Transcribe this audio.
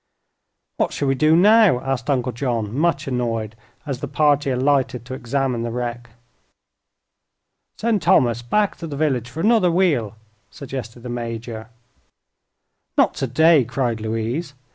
"What shall we do now?" asked Uncle John, much annoyed, as the party alighted to examine the wreck. "Send Thomas back to the village for another wheel" suggested the Major. "Not today!" cried Louise.